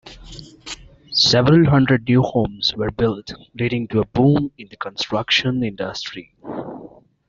Several hundred new homes were built, leading to a boom in the construction industry.